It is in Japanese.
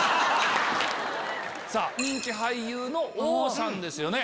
人気俳優のＯさんですよね